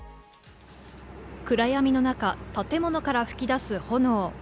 暗闇の中、建物から噴き出す炎。